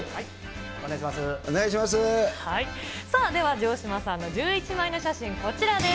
さあ、では城島さんの１１枚の写真、こちらです。